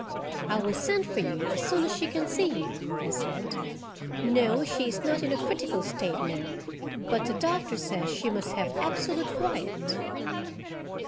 "I will send for you as soon as she can see you," I said. "No, she is not in a critical state now, but the doctor says she must have absolute quiet."